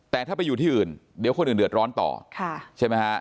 แต่ถ้าไปอยู่ที่อื่นเดี๋ยวคนอื่นเดือดร้อนต่อใช่ไหมฮะ